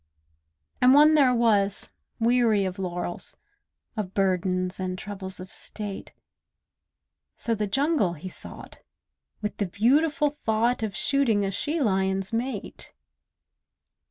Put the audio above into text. And one there was, weary of laurels, Of burdens and troubles of State; So the jungle he sought, with the beautiful thought Of shooting a she lion's mate.